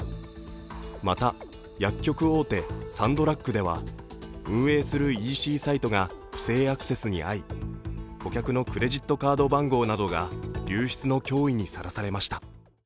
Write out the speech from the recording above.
また、薬局大手サンドラッグでは運営するＥＣサイトが不正アクセスに遭い顧客のクレジットカード番号などが流出の脅威にさらされました。